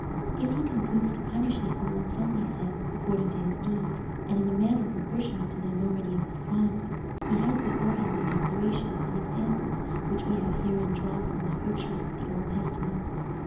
"If he concludes to punish his fallen son," they said, "according to his deeds, and in a manner proportionate to the enormity of his crimes, he has before him the declarations and examples which we have herein drawn from the Scriptures of the Old Testament.